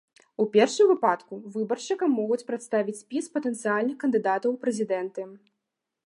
У першым выпадку, выбаршчыкам могуць прадставіць спіс патэнцыяльных кандыдатаў у прэзідэнты.